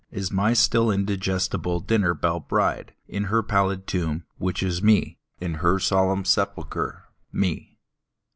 Is n^y still indigestible dinner belle bride, In her pallid tomb, which is Me, In her solemn sepulcher, Me.